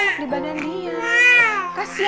tapi papa aku harus bisa